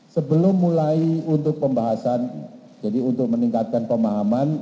sebelum mulai untuk pembahasan jadi untuk meningkatkan pemahaman